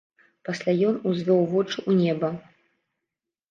Пасля ён узвёў вочы ў неба.